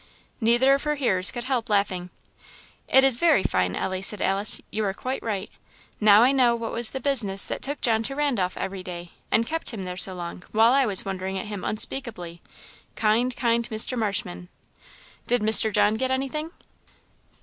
Neither of her hearers could help laughing. "It is very fine, Ellie," said Alice; "you are quite right. Now I know what was the business that took John to Randolph every day, and kept him there so long, while I was wondering at him unspeakably. Kind, kind Mr. Marshman!" "Did Mr. John get anything?"